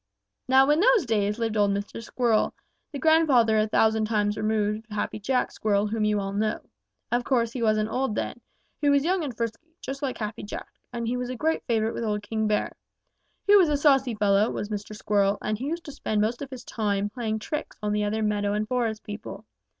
"Now in those days lived old Mr. Squirrel, the grandfather a thousand times removed of Happy Jack Squirrel whom you all know. Of course, he wasn't old then. He was young and frisky, just like Happy Jack, and he was a great favorite with old King Bear. He was a saucy fellow, was Mr. Squirrel, and he used to spend most of his time playing tricks on the other meadow and forest people.